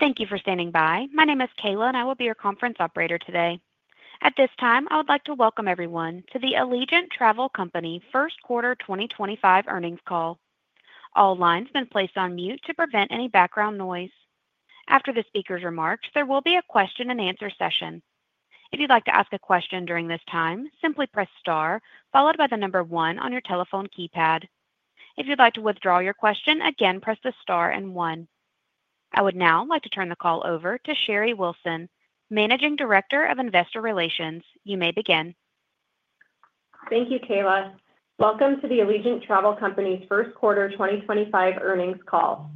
Thank you for standing by. My name is Kayla, and I will be your conference operator today. At this time, I would like to welcome everyone to the Allegiant Travel Company first quarter 2025 earnings call. All lines have been placed on mute to prevent any background noise. After the speaker's remarks, there will be a question-and-answer session. If you'd like to ask a question during this time, simply press star followed by the number one on your telephone keypad. If you'd like to withdraw your question, again, press the star and one. I would now like to turn the call over to Sherry Wilson, Managing Director of Investor Relations. You may begin. Thank you, Kayla. Welcome to the Allegiant Travel Company's first quarter 2025 earnings call.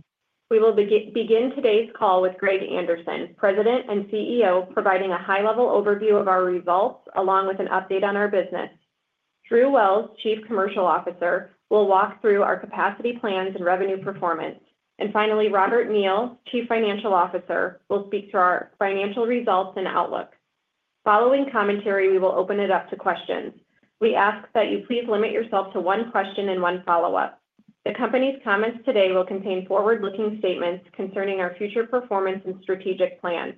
We will begin today's call with Greg Anderson, President and CEO, providing a high-level overview of our results along with an update on our business. Drew Wells, Chief Commercial Officer, will walk through our capacity plans and revenue performance. Finally, Robert Neal, Chief Financial Officer, will speak to our financial results and outlook. Following commentary, we will open it up to questions. We ask that you please limit yourself to one question and one follow-up. The company's comments today will contain forward-looking statements concerning our future performance and strategic plan.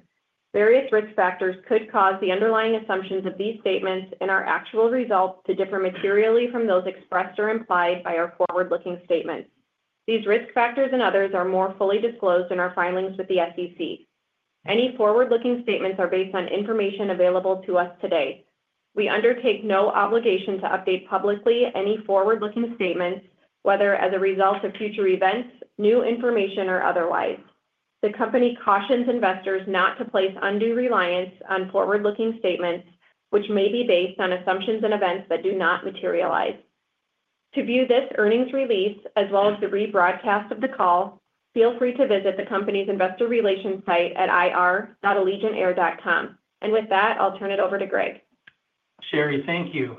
Various risk factors could cause the underlying assumptions of these statements and our actual results to differ materially from those expressed or implied by our forward-looking statements. These risk factors and others are more fully disclosed in our filings with the SEC. Any forward-looking statements are based on information available to us today. We undertake no obligation to update publicly any forward-looking statements, whether as a result of future events, new information, or otherwise. The company cautions investors not to place undue reliance on forward-looking statements, which may be based on assumptions and events that do not materialize. To view this earnings release as well as the rebroadcast of the call, feel free to visit the company's investor relations site at ir.allegiantair.com. With that, I'll turn it over to Greg. Sherry, thank you.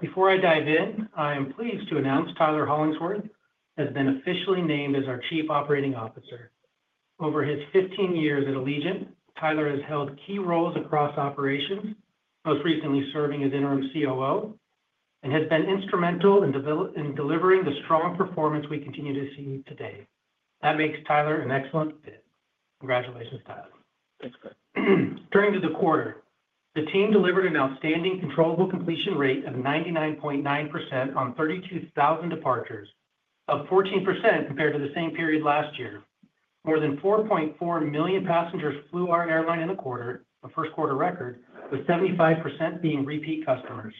Before I dive in, I am pleased to announce Tyler Hollingsworth has been officially named as our Chief Operating Officer. Over his 15 years at Allegiant, Tyler has held key roles across operations, most recently serving as interim COO, and has been instrumental in delivering the strong performance we continue to see today. That makes Tyler an excellent fit. Congratulations, Tyler. Thanks, Greg. During the quarter, the team delivered an outstanding controllable completion rate of 99.9% on 32,000 departures, up 14% compared to the same period last year. More than 4.4 million passengers flew our airline in the quarter, a first quarter record, with 75% being repeat customers.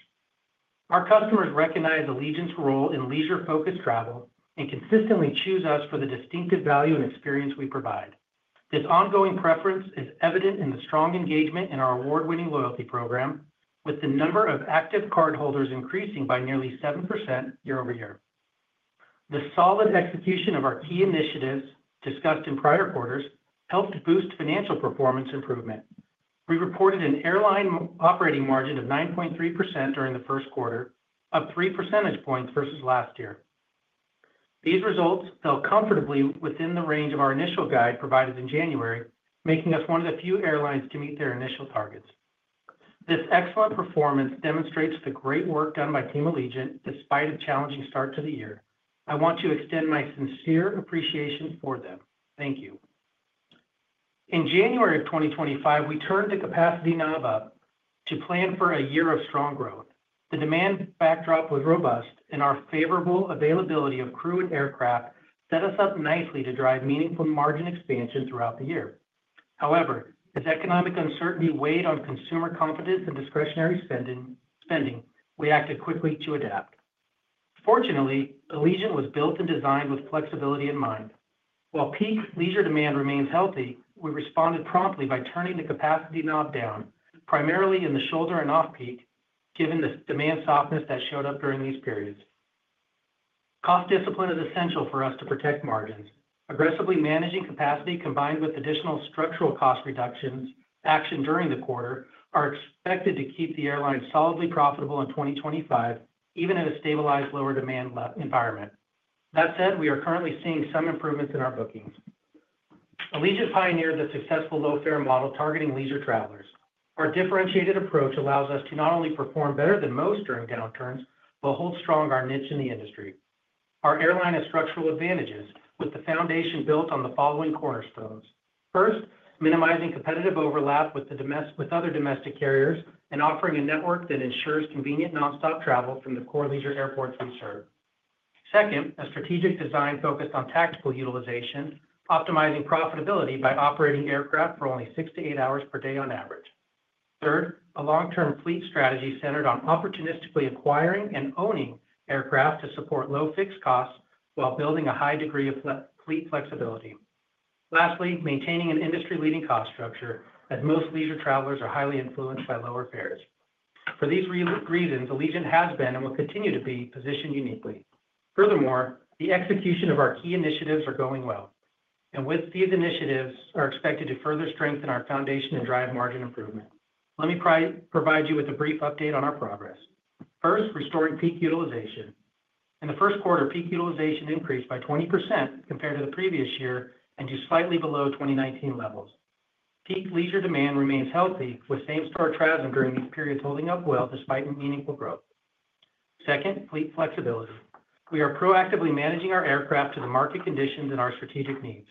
Our customers recognize Allegiant's role in leisure-focused travel and consistently choose us for the distinctive value and experience we provide. This ongoing preference is evident in the strong engagement in our award-winning loyalty program, with the number of active cardholders increasing by nearly 7% year over year. The solid execution of our key initiatives discussed in prior quarters helped boost financial performance improvement. We reported an airline operating margin of 9.3% during the first quarter, up 3 percentage points versus last year. These results fell comfortably within the range of our initial guide provided in January, making us one of the few airlines to meet their initial targets. This excellent performance demonstrates the great work done by Team Allegiant despite a challenging start to the year. I want to extend my sincere appreciation for them. Thank you. In January of 2025, we turned the capacity knob up to plan for a year of strong growth. The demand backdrop was robust, and our favorable availability of crew and aircraft set us up nicely to drive meaningful margin expansion throughout the year. However, as economic uncertainty weighed on consumer confidence and discretionary spending, we acted quickly to adapt. Fortunately, Allegiant was built and designed with flexibility in mind. While peak leisure demand remains healthy, we responded promptly by turning the capacity knob down, primarily in the shoulder and off-peak, given the demand softness that showed up during these periods. Cost discipline is essential for us to protect margins. Aggressively managing capacity combined with additional structural cost reductions action during the quarter are expected to keep the airline solidly profitable in 2025, even in a stabilized lower demand environment. That said, we are currently seeing some improvements in our bookings. Allegiant pioneered the successful low-fare model targeting leisure travelers. Our differentiated approach allows us to not only perform better than most during downturns but hold strong our niche in the industry. Our airline has structural advantages, with the foundation built on the following cornerstones. First, minimizing competitive overlap with other domestic carriers and offering a network that ensures convenient nonstop travel from the core leisure airports we serve. Second, a strategic design focused on tactical utilization, optimizing profitability by operating aircraft for only 6-8 hours per day on average. Third, a long-term fleet strategy centered on opportunistically acquiring and owning aircraft to support low fixed costs while building a high degree of fleet flexibility. Lastly, maintaining an industry-leading cost structure as most leisure travelers are highly influenced by lower fares. For these reasons, Allegiant has been and will continue to be positioned uniquely. Furthermore, the execution of our key initiatives is going well, and with these initiatives, we are expected to further strengthen our foundation and drive margin improvement. Let me provide you with a brief update on our progress. First, restoring peak utilization. In the first quarter, peak utilization increased by 20% compared to the previous year and to slightly below 2019 levels. Peak leisure demand remains healthy, with same-store travel during these periods holding up well despite meaningful growth. Second, fleet flexibility. We are proactively managing our aircraft to the market conditions and our strategic needs.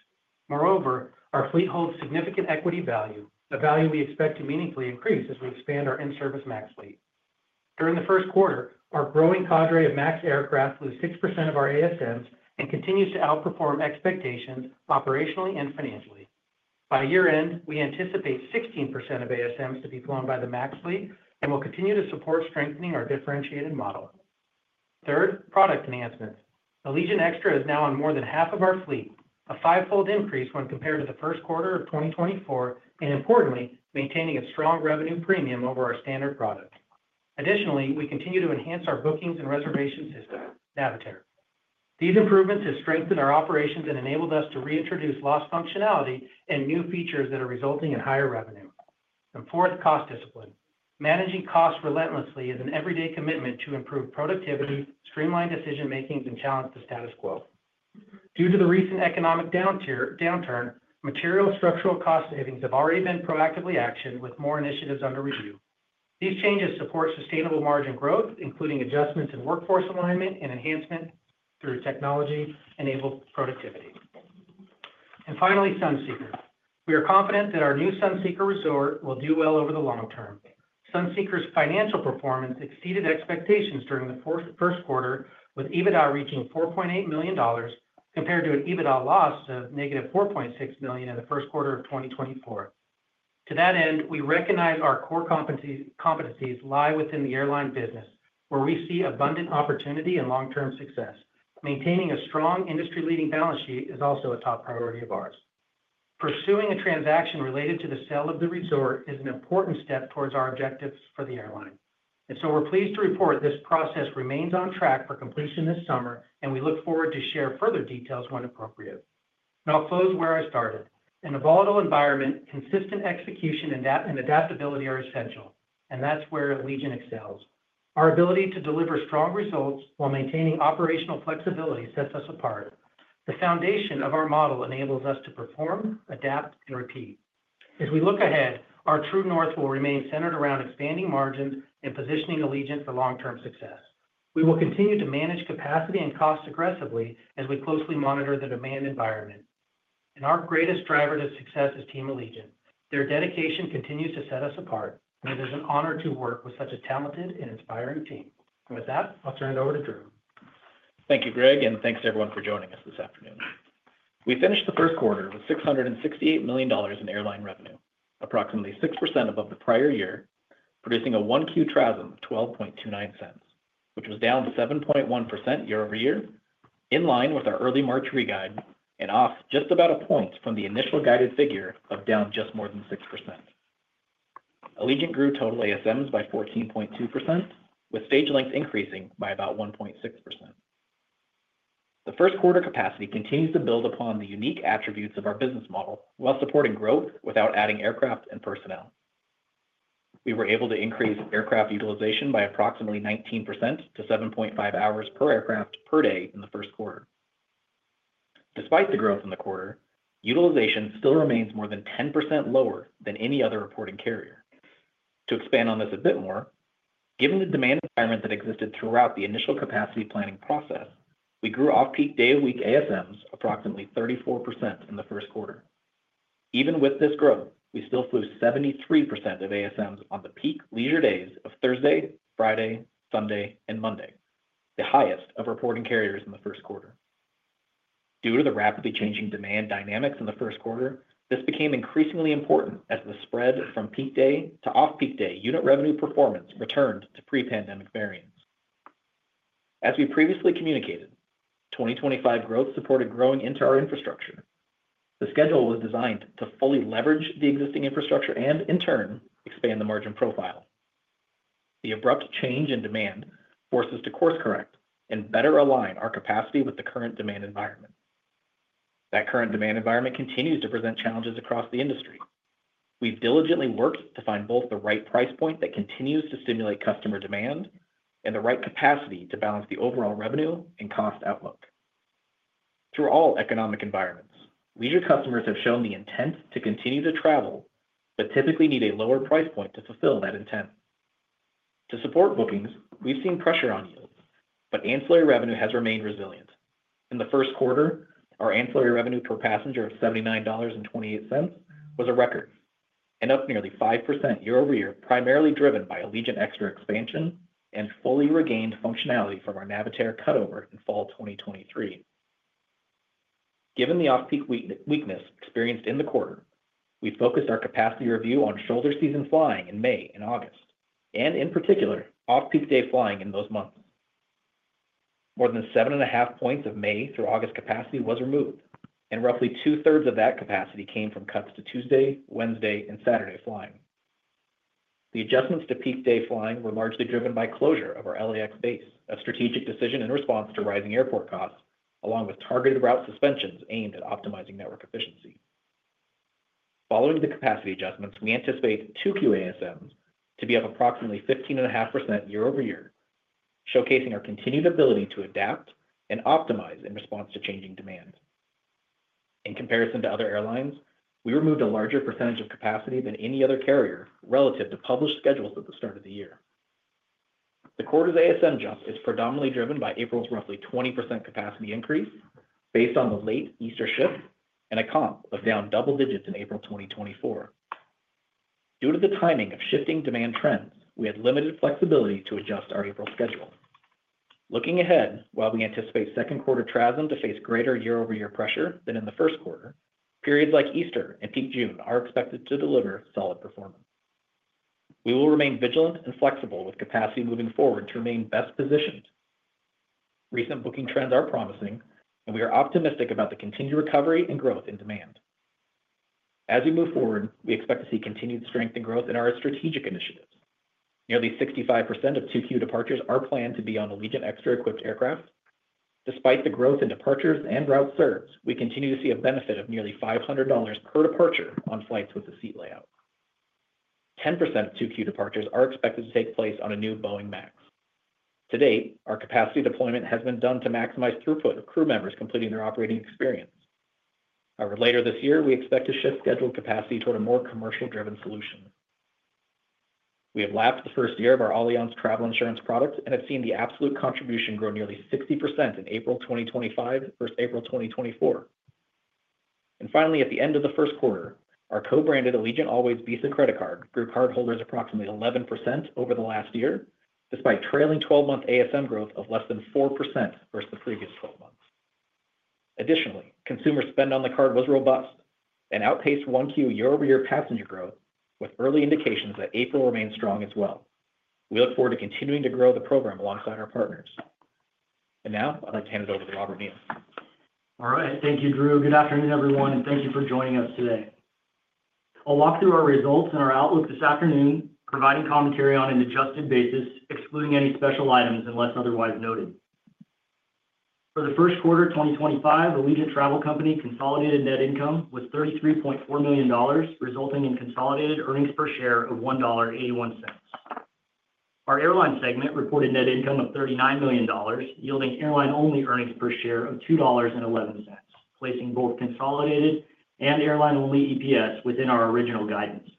Moreover, our fleet holds significant equity value, a value we expect to meaningfully increase as we expand our in-service Max fleet. During the first quarter, our growing cadre of Max aircraft flew 6% of our ASMs and continues to outperform expectations operationally and financially. By year-end, we anticipate 16% of ASMs to be flown by the Max fleet and will continue to support strengthening our differentiated model. Third, product enhancements. Allegiant Xtra is now on more than half of our fleet, a fivefold increase when compared to the first quarter of 2024, and importantly, maintaining a strong revenue premium over our standard product. Additionally, we continue to enhance our bookings and reservation system, Navitaire. These improvements have strengthened our operations and enabled us to reintroduce lost functionality and new features that are resulting in higher revenue. Fourth, cost discipline. Managing costs relentlessly is an everyday commitment to improve productivity, streamline decision-making, and challenge the status quo. Due to the recent economic downturn, material structural cost savings have already been proactively actioned with more initiatives under review. These changes support sustainable margin growth, including adjustments in workforce alignment and enhancement through technology-enabled productivity. Finally, Sunseeker. We are confident that our new Sunseeker Resort will do well over the long term. Sunseeker's financial performance exceeded expectations during the first quarter, with EBITDA reaching $4.8 million compared to an EBITDA loss of negative $4.6 million in the first quarter of 2024. To that end, we recognize our core competencies lie within the airline business, where we see abundant opportunity and long-term success. Maintaining a strong industry-leading balance sheet is also a top priority of ours. Pursuing a transaction related to the sale of the resort is an important step towards our objectives for the airline. We are pleased to report this process remains on track for completion this summer, and we look forward to sharing further details when appropriate. I will close where I started. In a volatile environment, consistent execution and adaptability are essential, and that is where Allegiant excels. Our ability to deliver strong results while maintaining operational flexibility sets us apart. The foundation of our model enables us to perform, adapt, and repeat. As we look ahead, our true north will remain centered around expanding margins and positioning Allegiant for long-term success. We will continue to manage capacity and costs aggressively as we closely monitor the demand environment. Our greatest driver to success is Team Allegiant. Their dedication continues to set us apart, and it is an honor to work with such a talented and inspiring team. It is with that, I'll turn it over to Drew. Thank you, Greg, and thanks to everyone for joining us this afternoon. We finished the first quarter with $668 million in airline revenue, approximately 6% above the prior year, producing a one-Q RASM of $12.29, which was down 7.1% year over year, in line with our early March re-guide and off just about a point from the initial guided figure of down just more than 6%. Allegiant grew total ASMs by 14.2%, with stage length increasing by about 1.6%. The first quarter capacity continues to build upon the unique attributes of our business model while supporting growth without adding aircraft and personnel. We were able to increase aircraft utilization by approximately 19% to 7.5 hours per aircraft per day in the first quarter. Despite the growth in the quarter, utilization still remains more than 10% lower than any other reporting carrier. To expand on this a bit more, given the demand environment that existed throughout the initial capacity planning process, we grew off-peak day-of-week ASMs approximately 34% in the first quarter. Even with this growth, we still flew 73% of ASMs on the peak leisure days of Thursday, Friday, Sunday, and Monday, the highest of reporting carriers in the first quarter. Due to the rapidly changing demand dynamics in the first quarter, this became increasingly important as the spread from peak day to off-peak day unit revenue performance returned to pre-pandemic variants. As we previously communicated, 2025 growth supported growing into our infrastructure. The schedule was designed to fully leverage the existing infrastructure and, in turn, expand the margin profile. The abrupt change in demand forced us to course-correct and better align our capacity with the current demand environment. That current demand environment continues to present challenges across the industry. We've diligently worked to find both the right price point that continues to stimulate customer demand and the right capacity to balance the overall revenue and cost outlook. Through all economic environments, leisure customers have shown the intent to continue to travel but typically need a lower price point to fulfill that intent. To support bookings, we've seen pressure on yields, but ancillary revenue has remained resilient. In the first quarter, our ancillary revenue per passenger of $79.28 was a record and up nearly 5% year over year, primarily driven by Allegiant Xtra expansion and fully regained functionality from our Navitaire cutover in fall 2023. Given the off-peak weakness experienced in the quarter, we focused our capacity review on shoulder season flying in May and August, and in particular, off-peak day flying in those months. More than 7.5 percentage points of May through August capacity was removed, and roughly two-thirds of that capacity came from cuts to Tuesday, Wednesday, and Saturday flying. The adjustments to peak day flying were largely driven by closure of our LAX base, a strategic decision in response to rising airport costs, along with targeted route suspensions aimed at optimizing network efficiency. Following the capacity adjustments, we anticipate 2024 ASMs to be up approximately 15.5% year over year, showcasing our continued ability to adapt and optimize in response to changing demand. In comparison to other airlines, we removed a larger percentage of capacity than any other carrier relative to published schedules at the start of the year. The quarter's ASM jump is predominantly driven by April's roughly 20% capacity increase based on the late Easter shift and a comp of down double digits in April 2024. Due to the timing of shifting demand trends, we had limited flexibility to adjust our April schedule. Looking ahead, while we anticipate second quarter travel to face greater year-over-year pressure than in the first quarter, periods like Easter and peak June are expected to deliver solid performance. We will remain vigilant and flexible with capacity moving forward to remain best positioned. Recent booking trends are promising, and we are optimistic about the continued recovery and growth in demand. As we move forward, we expect to see continued strength and growth in our strategic initiatives. Nearly 65% of 2Q departures are planned to be on Allegiant Xtra-equipped aircraft. Despite the growth in departures and routes served, we continue to see a benefit of nearly $500 per departure on flights with a seat layout. 10% of 2Q departures are expected to take place on a new Boeing 737 Max. To date, our capacity deployment has been done to maximize throughput of crew members completing their operating experience. However, later this year, we expect to shift scheduled capacity toward a more commercial-driven solution. We have lapped the first year of our Allianz Travel Insurance product and have seen the absolute contribution grow nearly 60% in April 2025 versus April 2024. Finally, at the end of the first quarter, our co-branded Allegiant Always Visa Credit Card grew cardholders approximately 11% over the last year, despite trailing 12-month ASM growth of less than 4% versus the previous 12 months. Additionally, consumer spend on the card was robust and outpaced one-queue year-over-year passenger growth, with early indications that April remains strong as well. We look forward to continuing to grow the program alongside our partners. Now, I'd like to hand it over to Robert Neal. All right. Thank you, Drew. Good afternoon, everyone, and thank you for joining us today. I'll walk through our results and our outlook this afternoon, providing commentary on an adjusted basis, excluding any special items unless otherwise noted. For the first quarter of 2025, Allegiant Travel Company consolidated net income was $33.4 million, resulting in consolidated earnings per share of $1.81. Our airline segment reported net income of $39 million, yielding airline-only earnings per share of $2.11, placing both consolidated and airline-only EPS within our original guidance.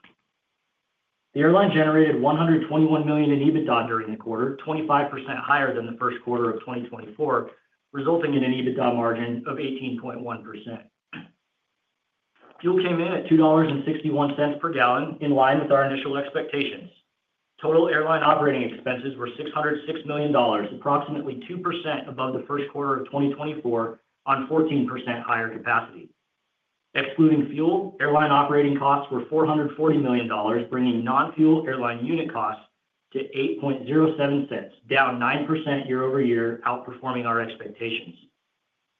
The airline generated $121 million in EBITDA during the quarter, 25% higher than the first quarter of 2024, resulting in an EBITDA margin of 18.1%. Fuel came in at $2.61 per gallon, in line with our initial expectations. Total airline operating expenses were $606 million, approximately 2% above the first quarter of 2024 on 14% higher capacity. Excluding fuel, airline operating costs were $440 million, bringing non-fuel airline unit costs to $8.07, down 9% year-over-year, outperforming our expectations.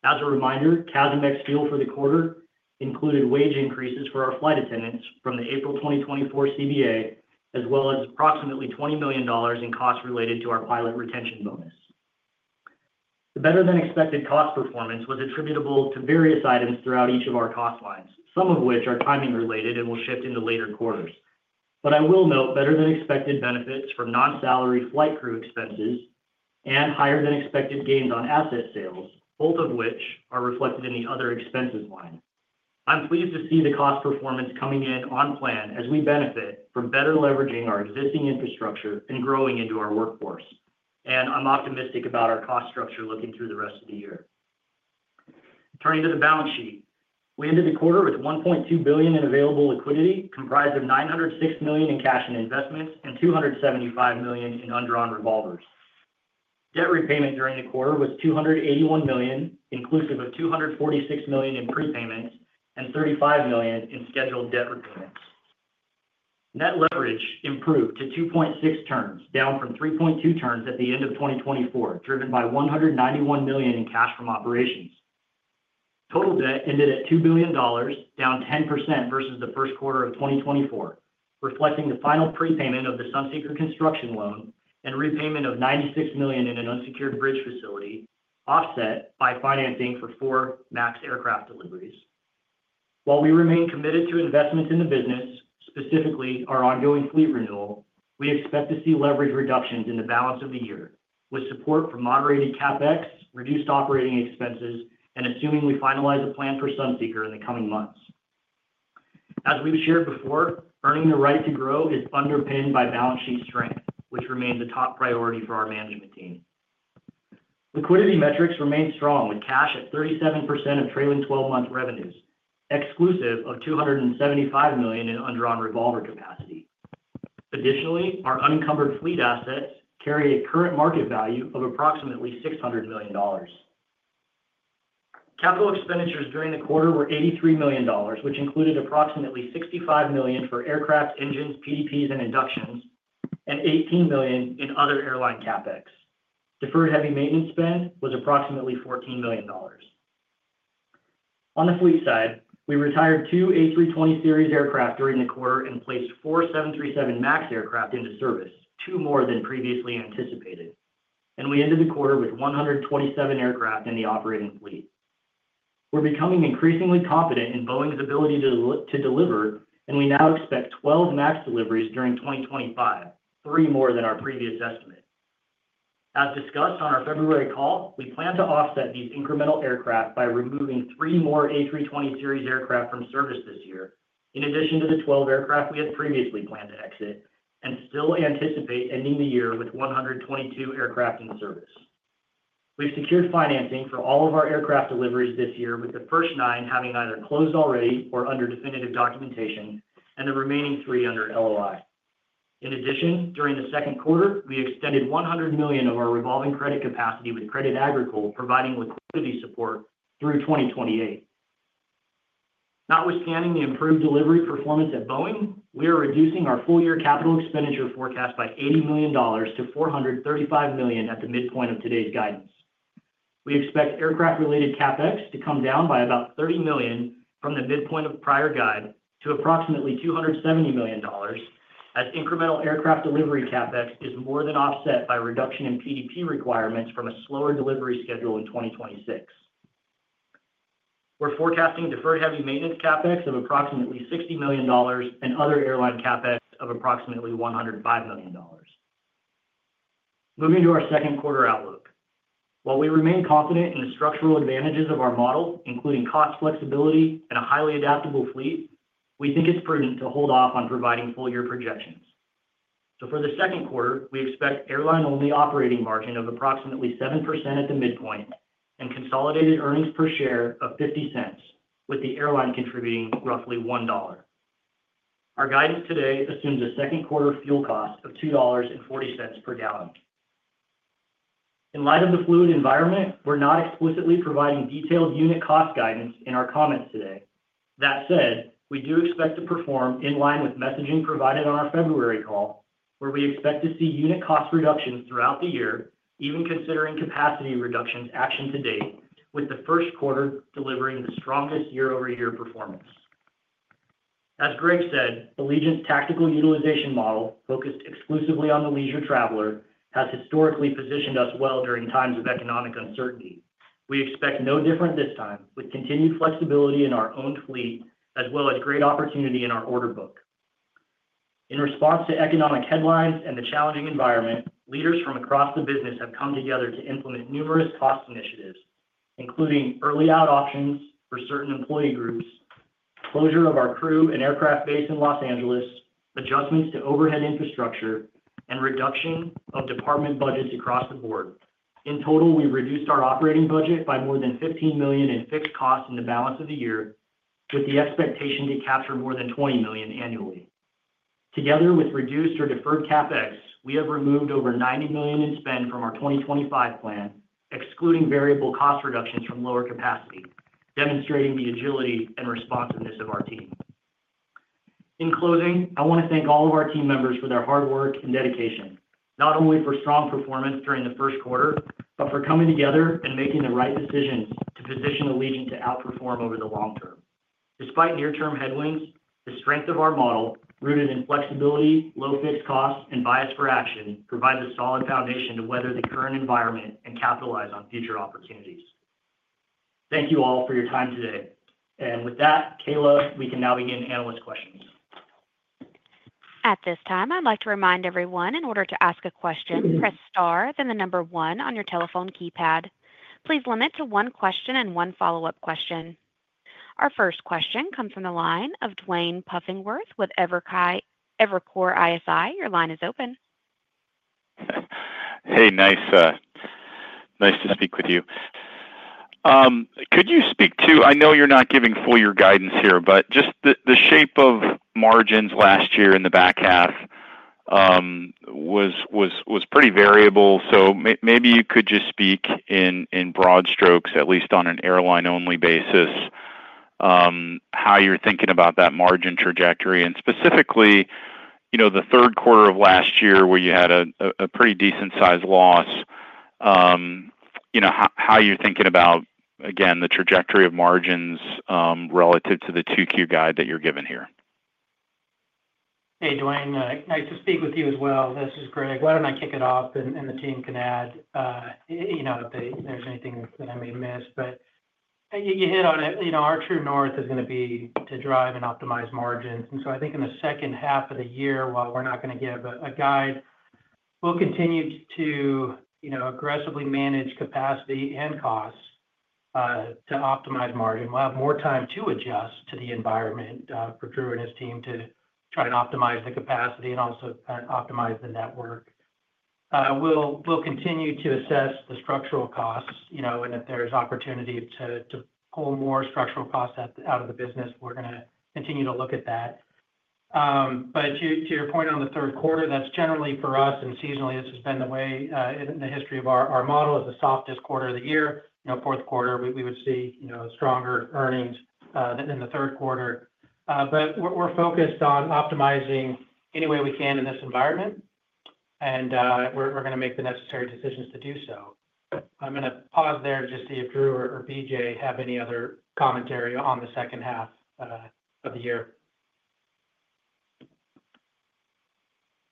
As a reminder, TAZMEX fuel for the quarter included wage increases for our flight attendants from the April 2024 CBA, as well as approximately $20 million in costs related to our pilot retention bonus. The better-than-expected cost performance was attributable to various items throughout each of our cost lines, some of which are timing-related and will shift in the later quarters. I will note better-than-expected benefits for non-salary flight crew expenses and higher-than-expected gains on asset sales, both of which are reflected in the other expenses line. I'm pleased to see the cost performance coming in on plan as we benefit from better leveraging our existing infrastructure and growing into our workforce. I'm optimistic about our cost structure looking through the rest of the year. Turning to the balance sheet, we ended the quarter with $1.2 billion in available liquidity, comprised of $906 million in cash and investments and $275 million in undrawn revolvers. Debt repayment during the quarter was $281 million, inclusive of $246 million in prepayments and $35 million in scheduled debt repayments. Net leverage improved to 2.6 turns, down from 3.2 turns at the end of 2024, driven by $191 million in cash from operations. Total debt ended at $2 billion, down 10% versus the first quarter of 2024, reflecting the final prepayment of the Sunseeker construction loan and repayment of $96 million in an unsecured bridge facility, offset by financing for four Max aircraft deliveries. While we remain committed to investments in the business, specifically our ongoing fleet renewal, we expect to see leverage reductions in the balance of the year, with support from moderated CapEx, reduced operating expenses, and assuming we finalize a plan for Sunseeker in the coming months. As we've shared before, earning the right to grow is underpinned by balance sheet strength, which remains a top priority for our management team. Liquidity metrics remain strong, with cash at 37% of trailing 12-month revenues, exclusive of $275 million in undrawn revolver capacity. Additionally, our unencumbered fleet assets carry a current market value of approximately $600 million. Capital expenditures during the quarter were $83 million, which included approximately $65 million for aircraft, engines, PDPs, and inductions, and $18 million in other airline CapEx. Deferred heavy maintenance spend was approximately $14 million. On the fleet side, we retired two A320 series aircraft during the quarter and placed four 737 Max aircraft into service, two more than previously anticipated. We ended the quarter with 127 aircraft in the operating fleet. We are becoming increasingly confident in Boeing's ability to deliver, and we now expect 12 Max deliveries during 2025, three more than our previous estimate. As discussed on our February call, we plan to offset these incremental aircraft by removing three more A320 series aircraft from service this year, in addition to the 12 aircraft we had previously planned to exit, and still anticipate ending the year with 122 aircraft in service. We have secured financing for all of our aircraft deliveries this year, with the first nine having either closed already or under definitive documentation, and the remaining three under LOI. In addition, during the second quarter, we extended $100 million of our revolving credit capacity with Credit Agricole providing liquidity support through 2028. Notwithstanding the improved delivery performance at Boeing, we are reducing our full-year capital expenditure forecast by $80 million to $435 million at the midpoint of today's guidance. We expect aircraft-related CapEx to come down by about $30 million from the midpoint of prior guide to approximately $270 million, as incremental aircraft delivery CapEx is more than offset by reduction in PDP requirements from a slower delivery schedule in 2026. We're forecasting deferred heavy maintenance CapEx of approximately $60 million and other airline CapEx of approximately $105 million. Moving to our second quarter outlook, while we remain confident in the structural advantages of our model, including cost flexibility and a highly adaptable fleet, we think it's prudent to hold off on providing full-year projections. For the second quarter, we expect airline-only operating margin of approximately 7% at the midpoint and consolidated earnings per share of $0.50, with the airline contributing roughly $1. Our guidance today assumes a second quarter fuel cost of $2.40 per gallon. In light of the fluid environment, we're not explicitly providing detailed unit cost guidance in our comments today. That said, we do expect to perform in line with messaging provided on our February call, where we expect to see unit cost reductions throughout the year, even considering capacity reductions action to date, with the first quarter delivering the strongest year-over-year performance. As Greg said, Allegiant's tactical utilization model, focused exclusively on the leisure traveler, has historically positioned us well during times of economic uncertainty. We expect no different this time, with continued flexibility in our own fleet, as well as great opportunity in our order book. In response to economic headlines and the challenging environment, leaders from across the business have come together to implement numerous cost initiatives, including early-out options for certain employee groups, closure of our crew and aircraft base in Los Angeles, adjustments to overhead infrastructure, and reduction of department budgets across the board. In total, we've reduced our operating budget by more than $15 million in fixed costs in the balance of the year, with the expectation to capture more than $20 million annually. Together with reduced or deferred CapEx, we have removed over $90 million in spend from our 2025 plan, excluding variable cost reductions from lower capacity, demonstrating the agility and responsiveness of our team. In closing, I want to thank all of our team members for their hard work and dedication, not only for strong performance during the first quarter, but for coming together and making the right decisions to position Allegiant to outperform over the long term. Despite near-term headwinds, the strength of our model, rooted in flexibility, low fixed costs, and bias for action, provides a solid foundation to weather the current environment and capitalize on future opportunities. Thank you all for your time today. With that, Kayla, we can now begin analyst questions. At this time, I'd like to remind everyone, in order to ask a question, press star, then the number one on your telephone keypad. Please limit to one question and one follow-up question. Our first question comes from the line of Duane Pfennigwerth with Evercore ISI. Your line is open. Hey, nice to speak with you. Could you speak to—I know you're not giving full-year guidance here, but just the shape of margins last year in the back half was pretty variable. Maybe you could just speak in broad strokes, at least on an airline-only basis, how you're thinking about that margin trajectory. Specifically, the third quarter of last year, where you had a pretty decent-sized loss, how you're thinking about, again, the trajectory of margins relative to the 2Q guide that you're given here. Hey, Duane. Nice to speak with you as well. This is Greg. Why don't I kick it off, and the team can add if there's anything that I may miss. You hit on it. Our true north is going to be to drive and optimize margins. I think in the second half of the year, while we're not going to give a guide, we'll continue to aggressively manage capacity and costs to optimize margin. We'll have more time to adjust to the environment for Drew and his team to try and optimize the capacity and also optimize the network. We'll continue to assess the structural costs. If there's opportunity to pull more structural costs out of the business, we're going to continue to look at that. To your point on the third quarter, that's generally for us, and seasonally, this has been the way in the history of our model as the softest quarter of the year. Fourth quarter, we would see stronger earnings than the third quarter. We're focused on optimizing any way we can in this environment, and we're going to make the necessary decisions to do so. I'm going to pause there to just see if Drew or BJ have any other commentary on the second half of the year.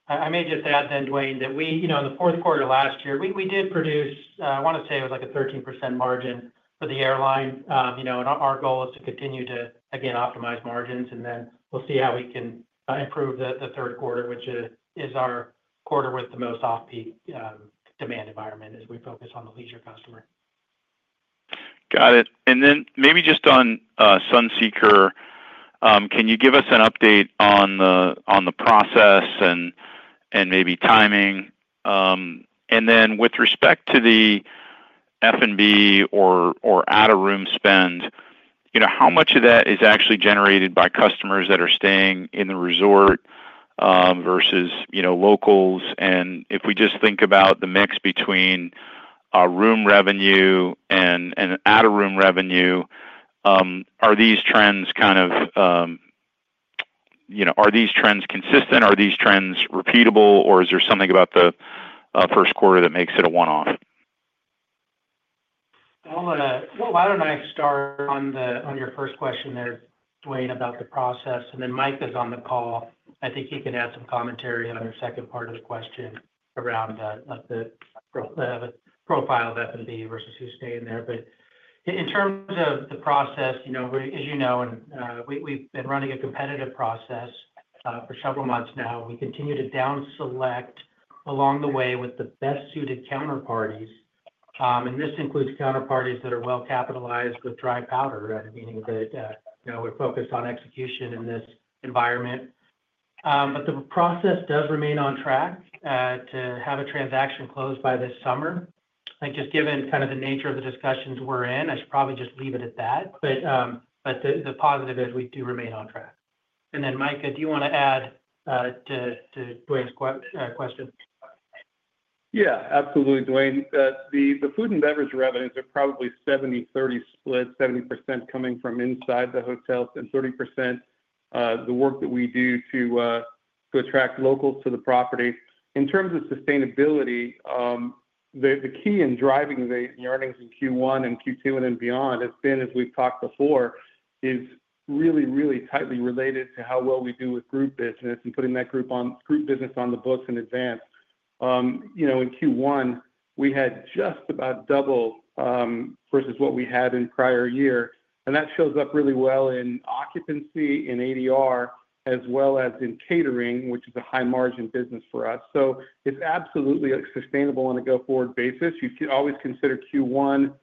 I may just add then, Duane, that in the fourth quarter last year, we did produce—I want to say it was like a 13% margin for the airline. Our goal is to continue to, again, optimize margins, and then we'll see how we can improve the third quarter, which is our quarter with the most off-peak demand environment as we focus on the leisure customer. Got it. Maybe just on Sunseeker, can you give us an update on the process and maybe timing? With respect to the F&B or out-of-room spend, how much of that is actually generated by customers that are staying in the resort versus locals? If we just think about the mix between room revenue and out-of-room revenue, are these trends kind of—are these trends consistent? Are these trends repeatable? Is there something about the first quarter that makes it a one-off? Why do I not start on your first question there, Duane, about the process? Mike is on the call. I think he can add some commentary on the second part of the question around the profile of F&B versus who's staying there. In terms of the process, as you know, we've been running a competitive process for several months now. We continue to downselect along the way with the best-suited counterparties. This includes counterparties that are well-capitalized with dry powder, meaning that we're focused on execution in this environment. The process does remain on track to have a transaction closed by this summer. Just given kind of the nature of the discussions we're in, I should probably just leave it at that. The positive is we do remain on track. Mike, do you want to add to Dwayne's question? Yeah, absolutely, Duane. The food and beverage revenues are probably a 70/30 split, 70% coming from inside the hotels and 30% the work that we do to attract locals to the property. In terms of sustainability, the key in driving the earnings in Q1 and Q2 and then beyond has been, as we've talked before, is really, really tightly related to how well we do with group business and putting that group business on the books in advance. In Q1, we had just about double versus what we had in prior year. That shows up really well in occupancy in ADR, as well as in catering, which is a high-margin business for us. It is absolutely sustainable on a go-forward basis. You can always consider Q1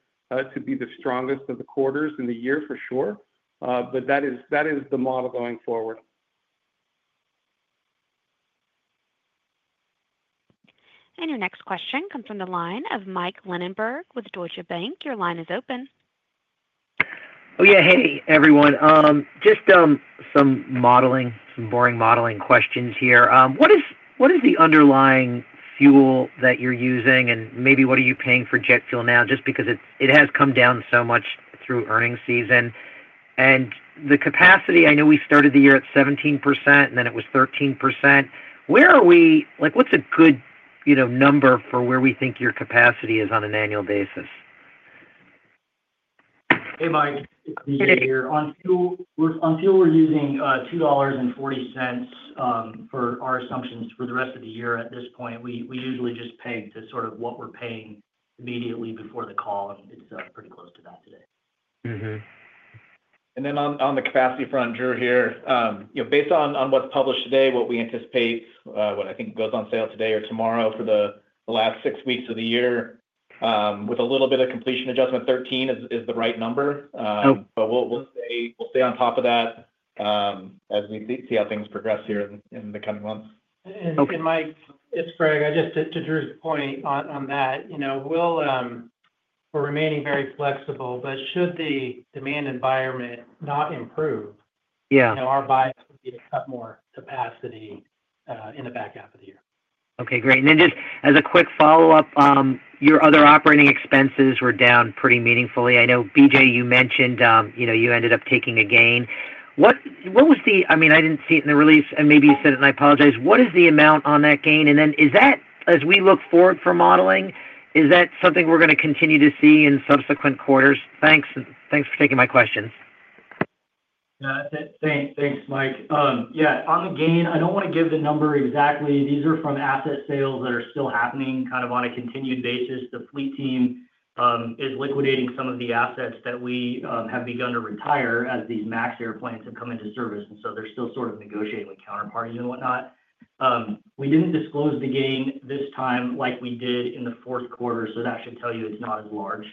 to be the strongest of the quarters in the year, for sure. That is the model going forward. Your next question comes from the line of Mike Linenberg with Deutsche Bank. Your line is open. Oh, yeah. Hey, everyone. Just some boring modeling questions here. What is the underlying fuel that you're using? And maybe what are you paying for jet fuel now, just because it has come down so much through earnings season? And the capacity, I know we started the year at 17%, and then it was 13%. What's a good number for where we think your capacity is on an annual basis? Hey, Mike. On fuel, we're using $2.40 for our assumptions for the rest of the year at this point. We usually just peg to sort of what we're paying immediately before the call. It's pretty close to that today. On the capacity front, Drew here, based on what's published today, what we anticipate, what I think goes on sale today or tomorrow for the last six weeks of the year, with a little bit of completion adjustment, 13 is the right number. We will stay on top of that as we see how things progress here in the coming months. Mike, it's Greg. Just to Drew's point on that, we're remaining very flexible. Should the demand environment not improve, our bias would be to cut more capacity in the back half of the year. Okay, great. Just as a quick follow-up, your other operating expenses were down pretty meaningfully. I know, BJ, you mentioned you ended up taking a gain. What was the—I mean, I did not see it in the release, and maybe you said it, and I apologize. What is the amount on that gain? Is that, as we look forward for modeling, something we are going to continue to see in subsequent quarters? Thanks for taking my questions. Thanks, Mike. Yeah, on the gain, I don't want to give the number exactly. These are from asset sales that are still happening kind of on a continued basis. The fleet team is liquidating some of the assets that we have begun to retire as these MAX airplanes have come into service. They are still sort of negotiating with counterparties and whatnot. We did not disclose the gain this time like we did in the fourth quarter. That should tell you it is not as large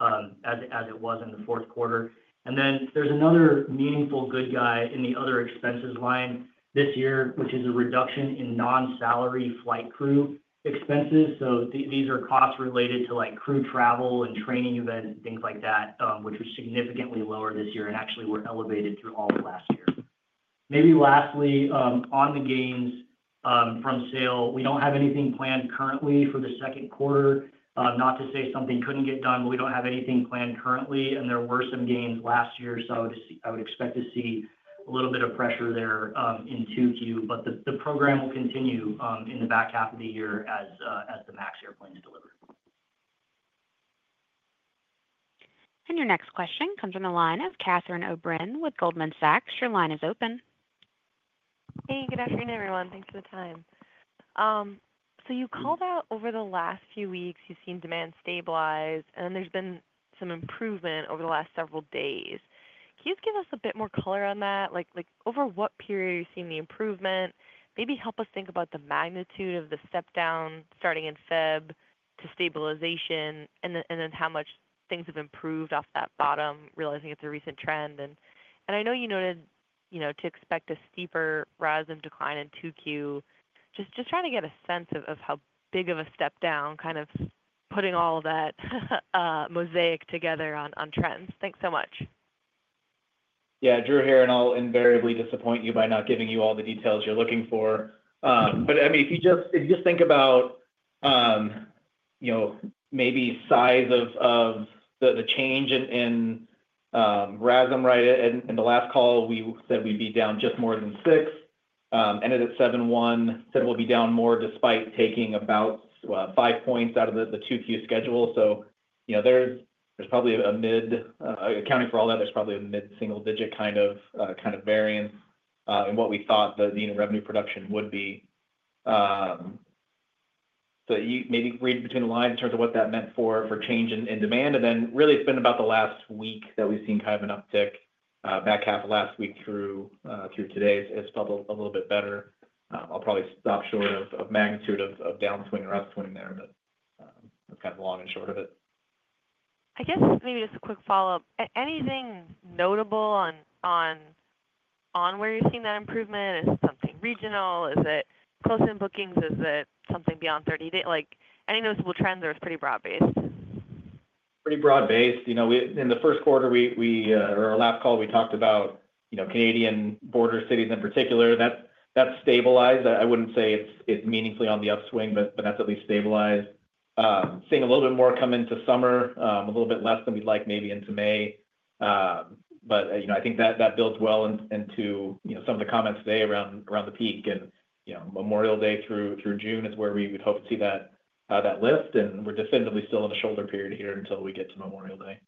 as it was in the fourth quarter. There is another meaningful good guy in the other expenses line this year, which is a reduction in non-salary flight crew expenses. These are costs related to crew travel and training events and things like that, which were significantly lower this year and actually were elevated through all of last year. Maybe lastly, on the gains from sale, we do not have anything planned currently for the second quarter. Not to say something could not get done, but we do not have anything planned currently. There were some gains last year, so I would expect to see a little bit of pressure there in 2Q. The program will continue in the back half of the year as the MAX airplanes deliver. Your next question comes from the line of Catherine O'Bryne with Goldman Sachs. Your line is open. Hey, good afternoon, everyone. Thanks for the time. You called out over the last few weeks, you've seen demand stabilize, and then there's been some improvement over the last several days. Can you just give us a bit more color on that? Over what period are you seeing the improvement? Maybe help us think about the magnitude of the step down starting in February to stabilization, and then how much things have improved off that bottom, realizing it's a recent trend. I know you noted to expect a steeper rise and decline in 2Q. Just trying to get a sense of how big of a step down, kind of putting all of that mosaic together on trends. Thanks so much. Yeah, Drew here, and I'll invariably disappoint you by not giving you all the details you're looking for. But I mean, if you just think about maybe size of the change in RASM, right? In the last call, we said we'd be down just more than six, ended at 7.1, said we'll be down more despite taking about five points out of the 2Q schedule. So there's probably a mid—accounting for all that, there's probably a mid-single-digit kind of variance in what we thought the revenue production would be. So maybe read between the lines in terms of what that meant for change in demand. And then really, it's been about the last week that we've seen kind of an uptick. Back half of last week through today has felt a little bit better. I'll probably stop short of magnitude of downswing or upswing there, but that's kind of the long and short of it. I guess maybe just a quick follow-up. Anything notable on where you're seeing that improvement? Is it something regional? Is it closing bookings? Is it something beyond 30 days? Any noticeable trends, or it's pretty broad-based? Pretty broad-based. In the first quarter, or our last call, we talked about Canadian border cities in particular. That has stabilized. I would not say it is meaningfully on the upswing, but that has at least stabilized. Seeing a little bit more come into summer, a little bit less than we would like maybe into May. I think that builds well into some of the comments today around the peak and Memorial Day through June is where we would hope to see that lift. We are definitively still in a shoulder period here until we get to Memorial Day.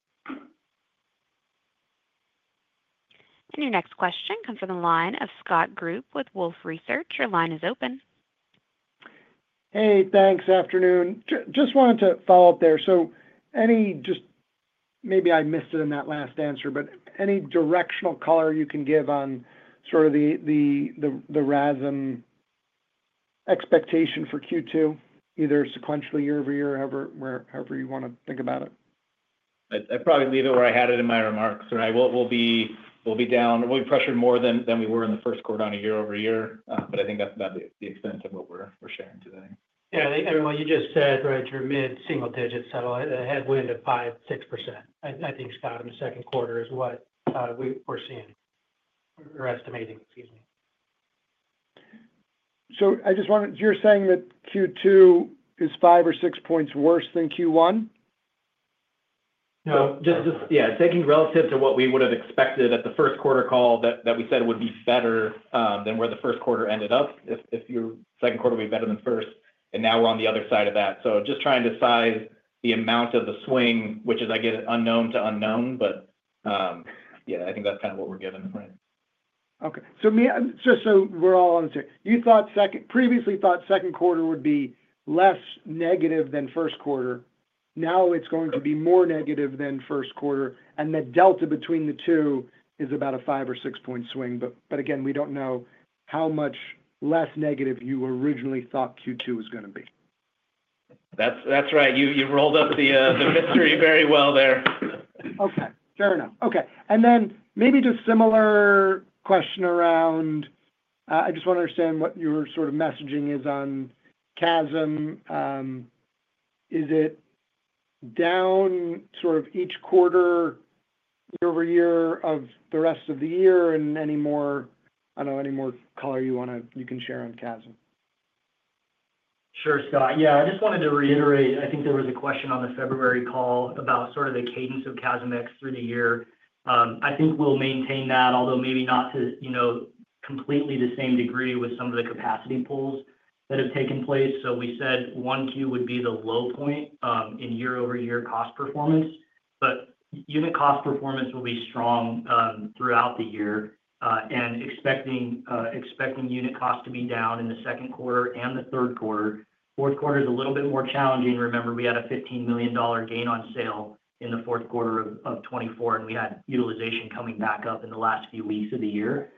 Your next question comes from the line of Scott Group with Wolfe Research. Your line is open. Hey, thanks. Afternoon. Just wanted to follow up there. Maybe I missed it in that last answer, but any directional color you can give on sort of the RASM expectation for Q2, either sequentially, year over year, however you want to think about it? I'd probably leave it where I had it in my remarks, right? We'll be down. We'll be pressured more than we were in the first quarter on a year over year. I think that's about the extent of what we're sharing today. Yeah. Everyone, you just said, right, your mid-single-digit sell headwind of 5-6%. I think, Scott, in the second quarter is what we're seeing or estimating, excuse me. I just wanted—you're saying that Q2 is five or six points worse than Q1? No. Yeah. Taking relative to what we would have expected at the first quarter call that we said would be better than where the first quarter ended up, if your second quarter would be better than the first, and now we're on the other side of that. Just trying to size the amount of the swing, which is, I guess, unknown to unknown. Yeah, I think that's kind of what we're given, right? Okay. So we're all on the same. You previously thought second quarter would be less negative than first quarter. Now it's going to be more negative than first quarter. The delta between the two is about a five or six-point swing. Again, we don't know how much less negative you originally thought Q2 was going to be. That's right. You've rolled up the mystery very well there. Okay. Fair enough. Okay. Maybe just a similar question around—I just want to understand what your sort of messaging is on CASM. Is it down sort of each quarter, year over year, of the rest of the year? I do not know, any more color you can share on CASM? Sure, Scott. Yeah. I just wanted to reiterate. I think there was a question on the February call about sort of the cadence of CASM ex through the year. I think we'll maintain that, although maybe not to completely the same degree with some of the capacity pulls that have taken place. We said Q1 would be the low point in year over year cost performance. Unit cost performance will be strong throughout the year. Expecting unit cost to be down in the second quarter and the third quarter. Fourth quarter is a little bit more challenging. Remember, we had a $15 million gain on sale in the fourth quarter of 2024, and we had utilization coming back up in the last few weeks of the year.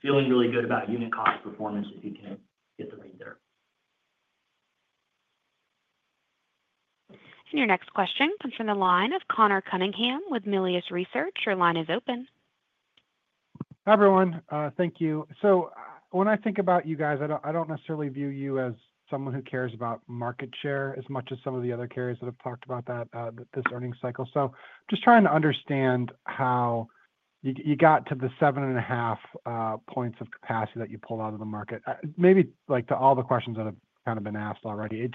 Feeling really good about unit cost performance if you can get the read there. Your next question comes from the line of Conor T. Cunningham with Melius Research. Your line is open. Hi, everyone. Thank you. When I think about you guys, I don't necessarily view you as someone who cares about market share as much as some of the other carriers that have talked about this earnings cycle. Just trying to understand how you got to the seven and a half points of capacity that you pulled out of the market. Maybe to all the questions that have kind of been asked already.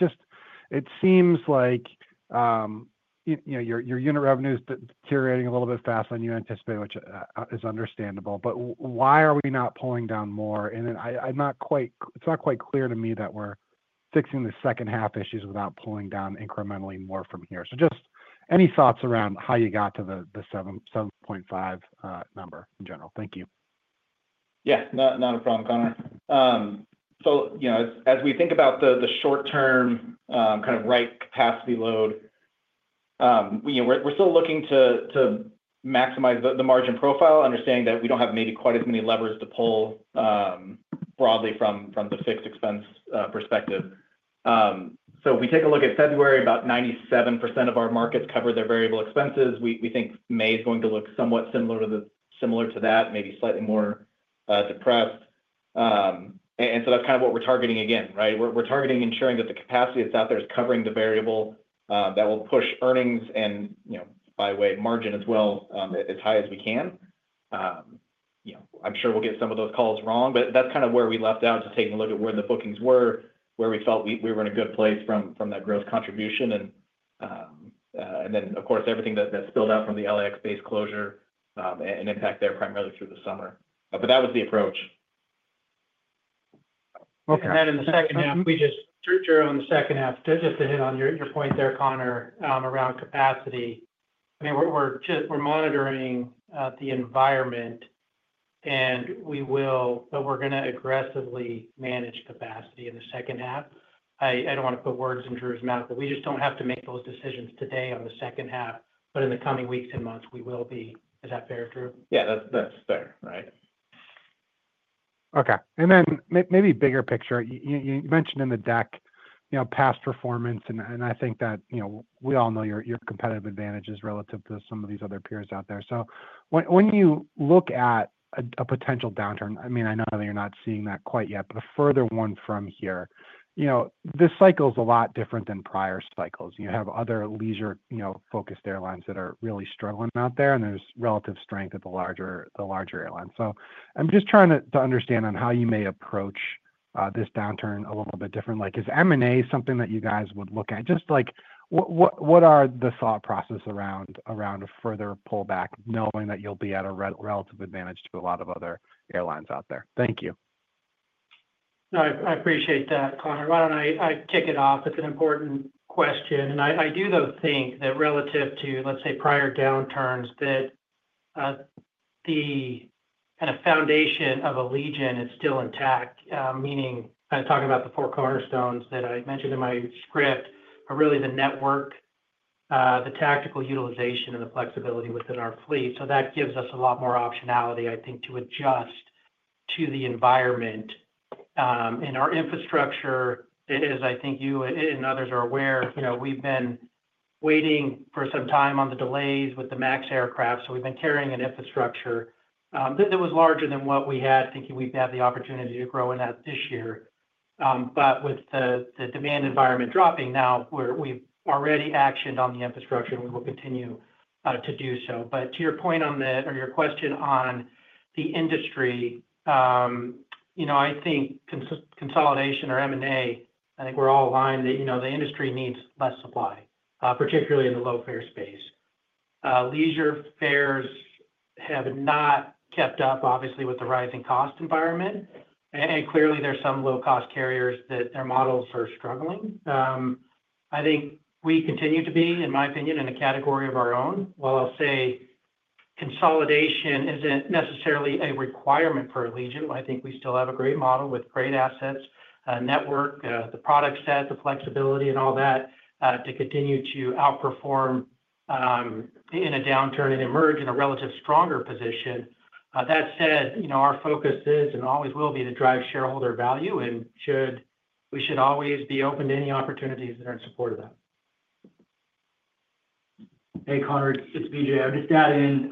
It seems like your unit revenue is deteriorating a little bit faster than you anticipate, which is understandable. Why are we not pulling down more? It's not quite clear to me that we're fixing the second half issues without pulling down incrementally more from here. Just any thoughts around how you got to the 7.5 number in general? Thank you. Yeah. Not a problem, Conor. As we think about the short-term kind of right capacity load, we're still looking to maximize the margin profile, understanding that we don't have maybe quite as many levers to pull broadly from the fixed expense perspective. If we take a look at February, about 97% of our markets cover their variable expenses. We think May is going to look somewhat similar to that, maybe slightly more depressed. That's kind of what we're targeting again, right? We're targeting ensuring that the capacity that's out there is covering the variable that will push earnings and, by way, margin as well as high as we can. I'm sure we'll get some of those calls wrong, but that's kind of where we left out to take a look at where the bookings were, where we felt we were in a good place from that gross contribution. Of course, everything that spilled out from the LAX base closure and impact there primarily through the summer. That was the approach. Okay. And then in the second half, we just—Drew, on the second half, just to hit on your point there, Conor, around capacity. I mean, we're monitoring the environment, and we will, but we're going to aggressively manage capacity in the second half. I don't want to put words in Drew's mouth, but we just don't have to make those decisions today on the second half. In the coming weeks and months, we will be. Is that fair, Drew? Yeah, that's fair, right? Okay. And then maybe bigger picture. You mentioned in the deck past performance, and I think that we all know your competitive advantages relative to some of these other peers out there. When you look at a potential downturn, I mean, I know that you're not seeing that quite yet, but a further one from here, this cycle is a lot different than prior cycles. You have other leisure-focused airlines that are really struggling out there, and there's relative strength at the larger airlines. I'm just trying to understand on how you may approach this downturn a little bit differently. Is M&A something that you guys would look at? Just what are the thought processes around a further pullback, knowing that you'll be at a relative advantage to a lot of other airlines out there? Thank you. No, I appreciate that, Conor. Why do not I kick it off? It is an important question. I do, though, think that relative to, let us say, prior downturns, the kind of foundation of Allegiant is still intact, meaning kind of talking about the four cornerstones that I mentioned in my script, but really the network, the tactical utilization, and the flexibility within our fleet. That gives us a lot more optionality, I think, to adjust to the environment. Our infrastructure, as I think you and others are aware, we have been waiting for some time on the delays with the MAX aircraft. We have been carrying an infrastructure that was larger than what we had, thinking we would have the opportunity to grow in that this year. With the demand environment dropping now, we have already actioned on the infrastructure, and we will continue to do so. To your point on the or your question on the industry, I think consolidation or M&A, I think we're all aligned that the industry needs less supply, particularly in the low-fare space. Leisure fares have not kept up, obviously, with the rising cost environment. Clearly, there are some low-cost carriers that their models are struggling. I think we continue to be, in my opinion, in a category of our own. While I'll say consolidation isn't necessarily a requirement for Allegiant, I think we still have a great model with great assets, a network, the product set, the flexibility, and all that to continue to outperform in a downturn and emerge in a relative stronger position. That said, our focus is and always will be to drive shareholder value, and we should always be open to any opportunities that are in support of that. Hey, Connor, it's BJ. I'll just add in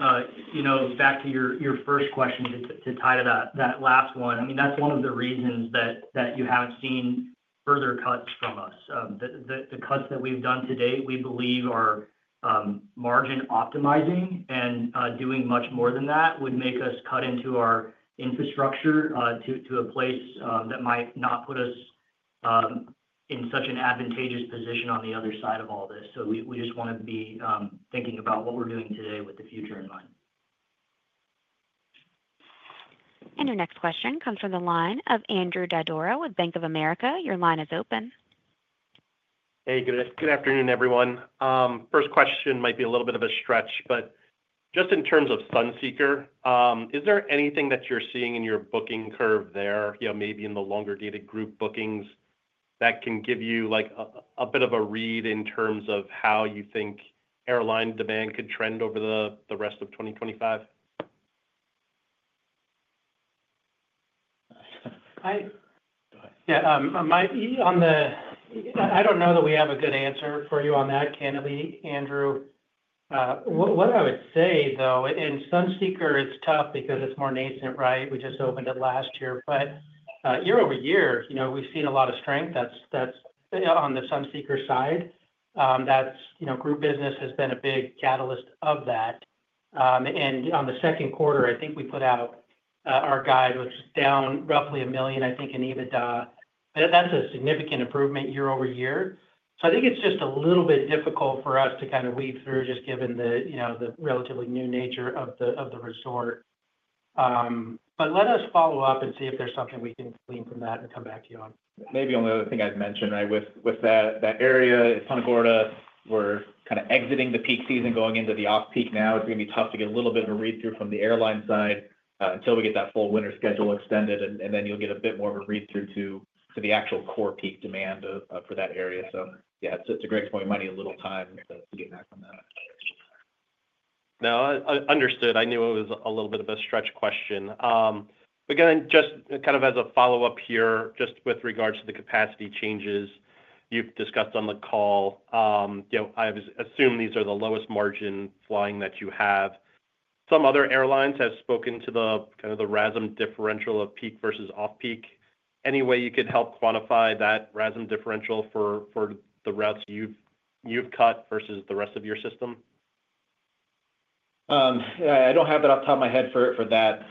back to your first question to tie to that last one. I mean, that's one of the reasons that you haven't seen further cuts from us. The cuts that we've done to date, we believe, are margin optimizing, and doing much more than that would make us cut into our infrastructure to a place that might not put us in such an advantageous position on the other side of all this. We just want to be thinking about what we're doing today with the future in mind. Your next question comes from the line of Andrew Didora with Bank of America. Your line is open. Hey, good afternoon, everyone. First question might be a little bit of a stretch, but just in terms of Sunseeker, is there anything that you're seeing in your booking curve there, maybe in the longer-dated group bookings, that can give you a bit of a read in terms of how you think airline demand could trend over the rest of 2025? Yeah. I don't know that we have a good answer for you on that, candidly, Andrew. What I would say, though, Sunseeker is tough because it's more nascent, right? We just opened it last year. Year over year, we've seen a lot of strength on the Sunseeker side. Group business has been a big catalyst of that. On the second quarter, I think we put out our guide, which is down roughly $1 million, I think, in EBITDA. That's a significant improvement year over year. I think it's just a little bit difficult for us to kind of weave through, just given the relatively new nature of the resort. Let us follow up and see if there's something we can glean from that and come back to you on. Maybe only the thing I'd mention, right? With that area, Sunseeker Resort, we're kind of exiting the peak season, going into the off-peak now. It's going to be tough to get a little bit of a read-through from the airline side until we get that full winter schedule extended. Then you'll get a bit more of a read-through to the actual core peak demand for that area. Yeah, it's a great point. We might need a little time to get back on that. No, understood. I knew it was a little bit of a stretch question. Again, just kind of as a follow-up here, just with regards to the capacity changes you've discussed on the call, I assume these are the lowest margin flying that you have. Some other airlines have spoken to kind of the RASM differential of peak versus off-peak. Any way you could help quantify that RASM differential for the routes you've cut versus the rest of your system? I don't have that off the top of my head for that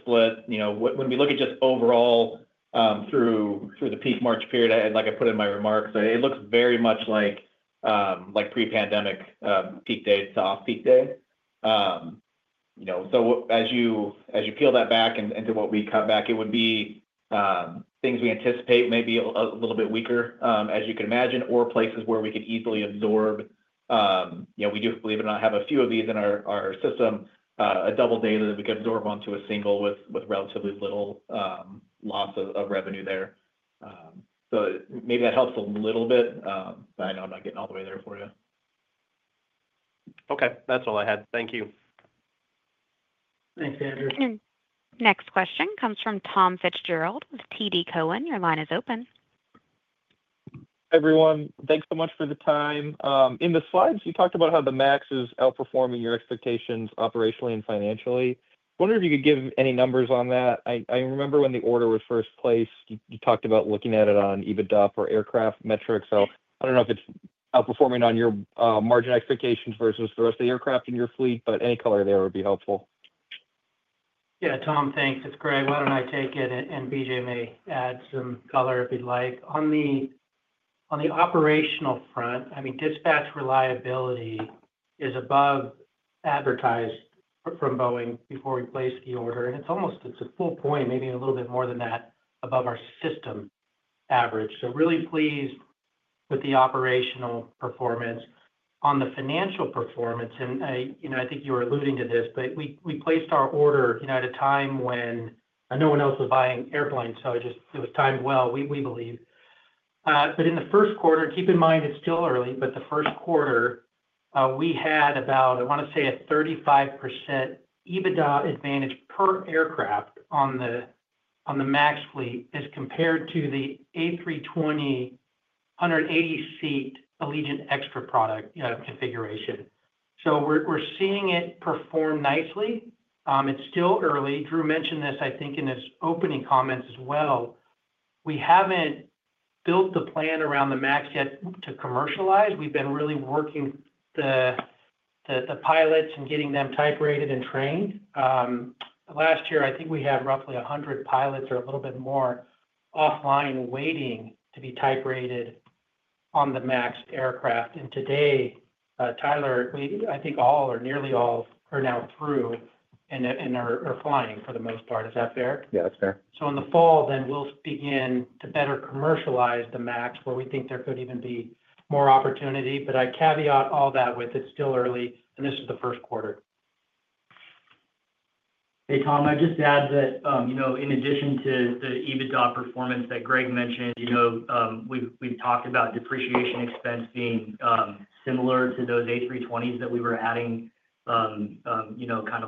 split. When we look at just overall through the peak March period, like I put in my remarks, it looks very much like pre-pandemic peak day to off-peak day. As you peel that back into what we cut back, it would be things we anticipate maybe a little bit weaker, as you can imagine, or places where we could easily absorb. We do, believe it or not, have a few of these in our system, a double data that we could absorb onto a single with relatively little loss of revenue there. Maybe that helps a little bit, but I know I'm not getting all the way there for you. Okay. That's all I had. Thank you. Thanks, Andrew. Next question comes from Tom Fitzgerald with TD Cowen. Your line is open. Hey, everyone. Thanks so much for the time. In the slides, you talked about how the MAX is outperforming your expectations operationally and financially. I wonder if you could give any numbers on that. I remember when the order was first placed, you talked about looking at it on EBITDA per aircraft metrics. So I don't know if it's outperforming on your margin expectations versus the rest of the aircraft in your fleet, but any color there would be helpful. Yeah. Tom, thanks. It's great. Why don't I take it? And BJ may add some color if you'd like. On the operational front, I mean, dispatch reliability is above advertised from Boeing before we placed the order. It's a full point, maybe a little bit more than that, above our system average. Really pleased with the operational performance. On the financial performance, I think you were alluding to this, but we placed our order at a time when no one else was buying airplanes, so it was timed well, we believe. In the first quarter, and keep in mind, it's still early, but the first quarter, we had about, I want to say, a 35% EBITDA advantage per aircraft on the MAX fleet as compared to the A320 180-seat Allegiant Xtra product configuration. We're seeing it perform nicely. It's still early. Drew mentioned this, I think, in his opening comments as well. We have not built the plan around the MAX yet to commercialize. We have been really working the pilots and getting them type-rated and trained. Last year, I think we had roughly 100 pilots or a little bit more offline waiting to be type-rated on the MAX aircraft. And today, Tyler, I think all or nearly all are now through and are flying for the most part. Is that fair? Yeah, that's fair. In the fall, then we'll begin to better commercialize the MAX, where we think there could even be more opportunity. I caveat all that with it's still early, and this is the first quarter. Hey, Tom, I'd just add that in addition to the EBITDA performance that Greg mentioned, we've talked about depreciation expense being similar to those A320s that we were adding, kind of,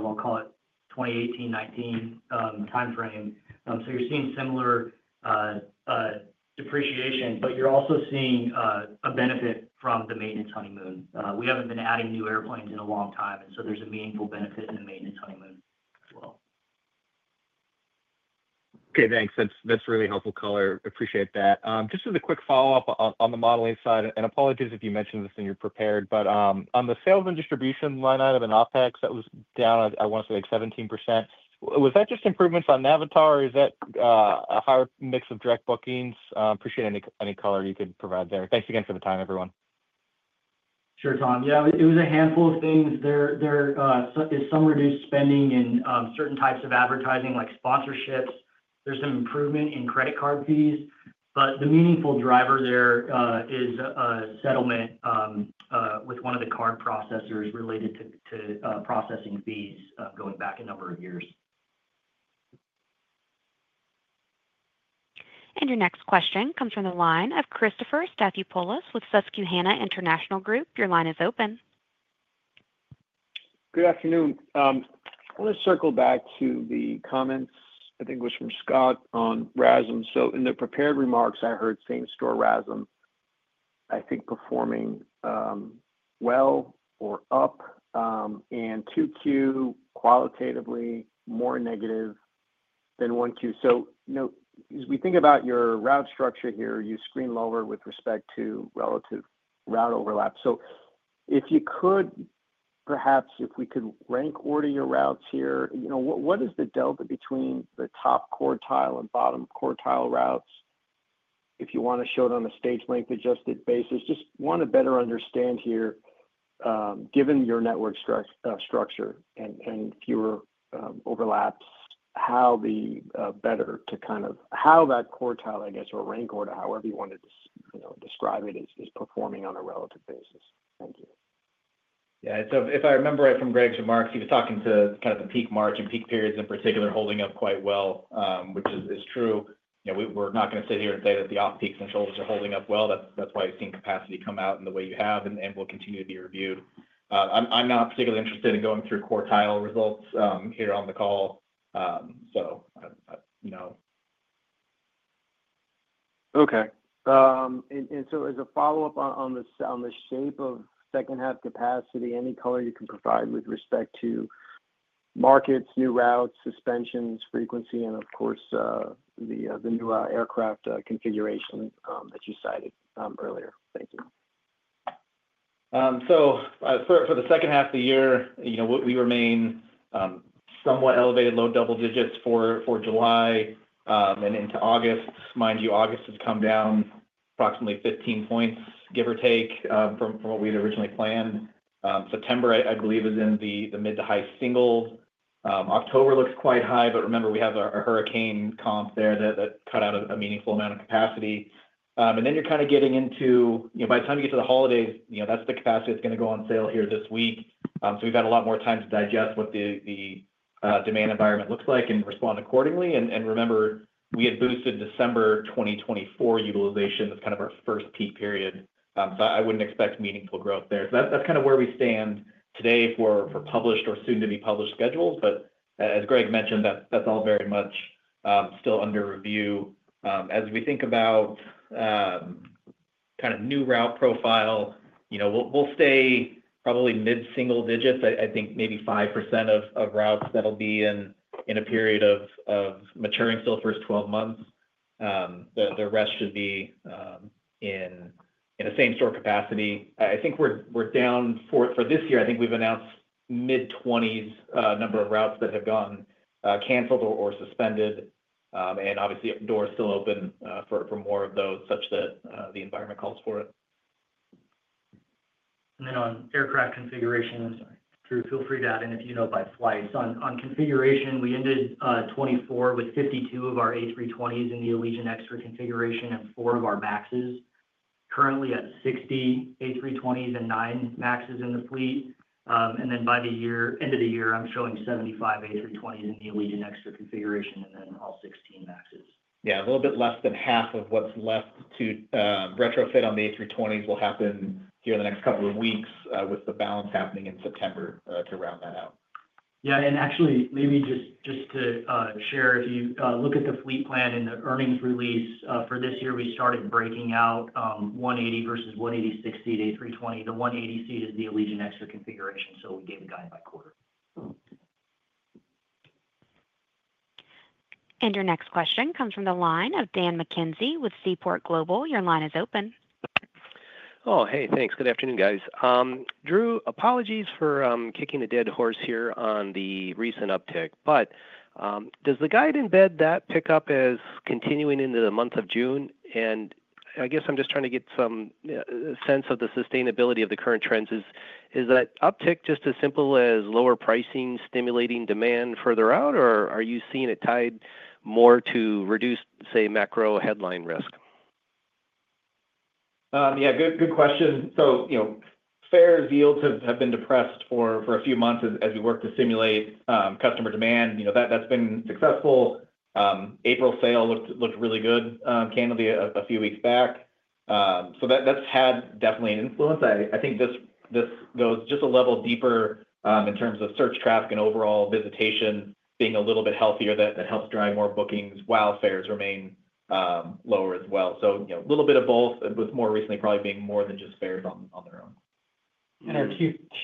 I'll call it 2018, 2019 timeframe. So you're seeing similar depreciation, but you're also seeing a benefit from the maintenance honeymoon. We haven't been adding new airplanes in a long time, and so there's a meaningful benefit in the maintenance honeymoon as well. Okay, thanks. That's really helpful color. Appreciate that. Just as a quick follow-up on the modeling side, and apologies if you mentioned this in your prepared, but on the sales and distribution line item in OpEx, that was down, I want to say, 17%. Was that just improvements on Navitaire, or is that a higher mix of direct bookings? Appreciate any color you could provide there. Thanks again for the time, everyone. Sure, Tom. Yeah, it was a handful of things. There is some reduced spending in certain types of advertising, like sponsorships. There is some improvement in credit card fees. The meaningful driver there is a settlement with one of the card processors related to processing fees going back a number of years. Your next question comes from the line of Christopher Nicholas Stathoulopoulos with Susquehanna International Group. Your line is open. Good afternoon. I want to circle back to the comments, I think it was from Scott on RASM. In the prepared remarks, I heard same-store RASM, I think, performing well or up, and 2Q qualitatively more negative than 1Q. As we think about your route structure here, you screen lower with respect to relative route overlap. If you could, perhaps if we could rank order your routes here, what is the delta between the top quartile and bottom quartile routes? If you want to show it on a stage-length adjusted basis, just want to better understand here, given your network structure and fewer overlaps, how the better to kind of how that quartile, I guess, or rank order, however you want to describe it, is performing on a relative basis. Thank you. Yeah. If I remember right from Greg's remarks, he was talking to kind of the peak March and peak periods in particular holding up quite well, which is true. We're not going to sit here and say that the off-peak controls are holding up well. That's why you've seen capacity come out in the way you have, and will continue to be reviewed. I'm not particularly interested in going through quartile results here on the call, so no. Okay. As a follow-up on the shape of second-half capacity, any color you can provide with respect to markets, new routes, suspensions, frequency, and of course, the new aircraft configuration that you cited earlier? Thank you. For the second half of the year, we remain somewhat elevated, low double digits for July and into August. Mind you, August has come down approximately 15 percentage points, give or take, from what we had originally planned. September, I believe, is in the mid to high single. October looks quite high, but remember, we have our hurricane comp there that cut out a meaningful amount of capacity. You are kind of getting into, by the time you get to the holidays, that's the capacity that's going to go on sale here this week. We have had a lot more time to digest what the demand environment looks like and respond accordingly. Remember, we had boosted December 2024 utilization as kind of our first peak period. I would not expect meaningful growth there. That is kind of where we stand today for published or soon-to-be-published schedules. As Greg mentioned, that's all very much still under review. As we think about kind of new route profile, we'll stay probably mid-single digits. I think maybe 5% of routes that'll be in a period of maturing still for 12 months. The rest should be in the same-store capacity. I think we're down for this year, I think we've announced mid-20s number of routes that have gone canceled or suspended. Obviously, door is still open for more of those such that the environment calls for it. On aircraft configuration, Drew, feel free to add in if you know by flight. On configuration, we ended 2024 with 52 of our A320s in the Allegiant Xtra configuration and 4 of our MAXs. Currently at 60 A320s and 9 MAXs in the fleet. By the end of the year, I'm showing 75 A320s in the Allegiant Xtra configuration and all 16 MAXs. Yeah. A little bit less than half of what's left to retrofit on the A320s will happen here in the next couple of weeks with the balance happening in September to round that out. Yeah. Actually, maybe just to share, if you look at the fleet plan and the earnings release for this year, we started breaking out 180 versus 186 seats at A320. The 186 seat is the Allegiant Extra configuration. We gave a guide by quarter. Your next question comes from the line of Dan McKenzie with Seaport Global. Your line is open. Oh, hey, thanks. Good afternoon, guys. Drew, apologies for kicking a dead horse here on the recent uptick, but does the guide embed that pickup as continuing into the month of June? I guess I'm just trying to get some sense of the sustainability of the current trends. Is that uptick just as simple as lower pricing stimulating demand further out, or are you seeing it tied more to reduced, say, macro headline risk? Yeah. Good question. So fare yields have been depressed for a few months as we worked to stimulate customer demand. That's been successful. April sale looked really good, candidly, a few weeks back. That's had definitely an influence. I think this goes just a level deeper in terms of search traffic and overall visitation being a little bit healthier. That helps drive more bookings while fares remain lower as well. A little bit of both, with more recently probably being more than just fares on their own. Our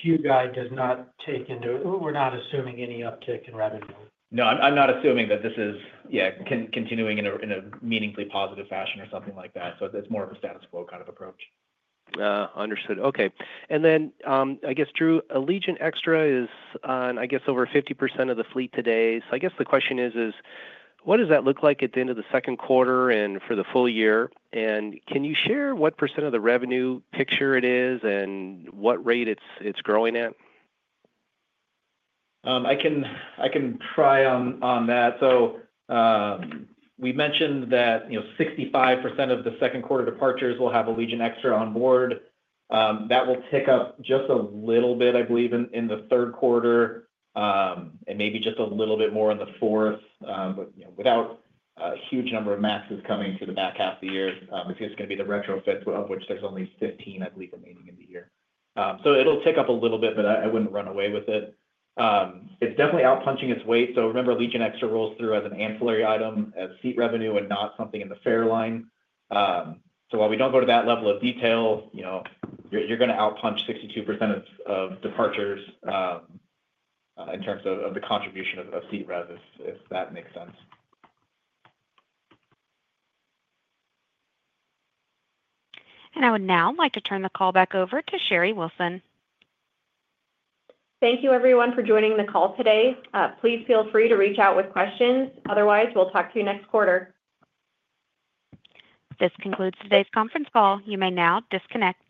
Q guide does not take into, we're not assuming any uptick in revenue. No, I'm not assuming that this is, yeah, continuing in a meaningfully positive fashion or something like that. It is more of a status quo kind of approach. Understood. Okay. I guess, Drew, Allegiant Xtra is on, I guess, over 50% of the fleet today. I guess the question is, what does that look like at the end of the second quarter and for the full year? Can you share what % of the revenue picture it is and what rate it's growing at? I can try on that. We mentioned that 65% of the second quarter departures will have Allegiant Extra on board. That will tick up just a little bit, I believe, in the third quarter and maybe just a little bit more in the fourth, but without a huge number of MAXs coming through the back half of the year. It is just going to be the retrofit, of which there are only 15, I believe, remaining in the year. It will tick up a little bit, but I would not run away with it. It is definitely outpunching its weight. Remember, Allegiant Extra rolls through as an ancillary item as seat revenue and not something in the fare line. While we do not go to that level of detail, you are going to outpunch 62% of departures in terms of the contribution of seat rev, if that makes sense. I would now like to turn the call back over to Sherry Wilson. Thank you, everyone, for joining the call today. Please feel free to reach out with questions. Otherwise, we'll talk to you next quarter. This concludes today's conference call. You may now disconnect.